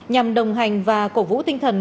nhằm đồng hành và cổ vũ tinh thần